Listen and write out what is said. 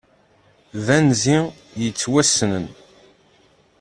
D anzi yettwassnen.